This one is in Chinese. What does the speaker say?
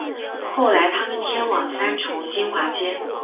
后来他们迁往三重金华街